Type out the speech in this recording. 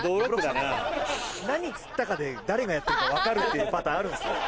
何釣ったかで誰がやってるか分かるっていうパターンあるんですね。